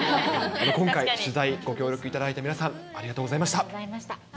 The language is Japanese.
今回、取材、ご協力いただいた皆ありがとうございました。